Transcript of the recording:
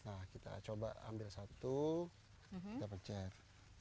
nah kita coba ambil satu kita percer